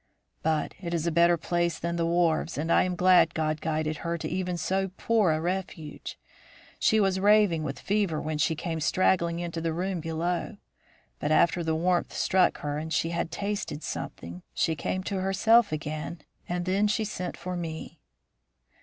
_ But it is a better place than the wharves, and I am glad God guided her to even so poor a refuge. She was raving with fever when she came straggling into the room below. But after the warmth struck her and she had tasted something, she came to herself again, and then and then she sent for me."